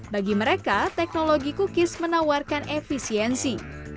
bagi mereka teknologi cookies menawarkan efisiensi